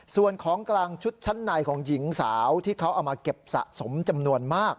ส่วนของกลางชุดชั้นในของหญิงสาวที่เขาเอามาเก็บสะสมจำนวนมาก